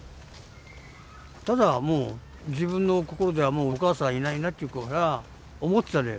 ただもう自分の心では「お母さんがいないな」っていうことは思ってたのよ